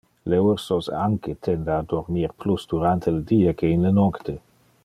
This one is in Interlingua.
Le ursos anque tende a dormir plus durante le die que in le nocte.